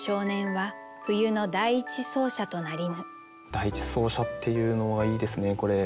「第一走者」っていうのはいいですねこれ。